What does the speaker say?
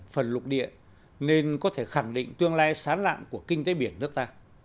phần lục địa nên có thể khẳng định tương lai sán lạng của kinh tế biển nước ta